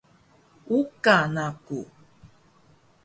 Uka naku